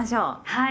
はい。